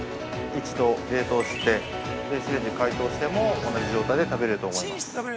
一度冷凍して、電子レンジで解凍しても同じ状態で食べれると思います。